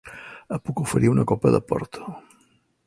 Et puc oferir una copa de porto.